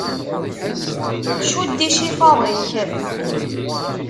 Cudd icifaḍ-ik!